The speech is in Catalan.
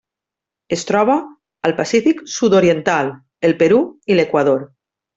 Es troba al Pacífic sud-oriental: el Perú i l'Equador.